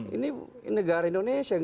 ini negara indonesia